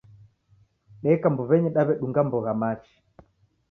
Deka mbuw'enyi, daw'edunga mbogha machi